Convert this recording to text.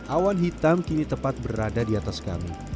awan hitam kini tepat berada di atas kami